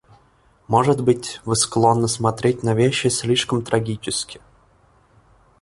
Может быть, вы склонны смотреть на вещи слишком трагически.